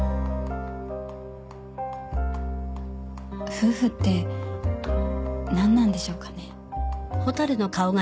夫婦って何なんでしょうかね。